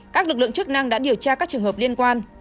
các lực lượng chức năng đã điều tra các trường hợp liên quan